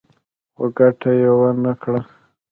خو ګټه يې ونه کړه.